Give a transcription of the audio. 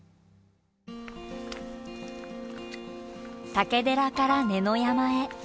竹寺から子ノ山へ。